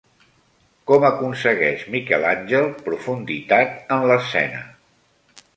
Com aconsegueix Miquel Àngel profunditat en l'escena?